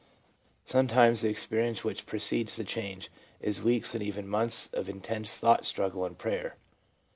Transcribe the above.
Sometimes the experience which precedes the change is weeks and even months of intensest thought struggle and prayer.